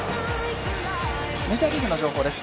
メジャーリーグの情報です。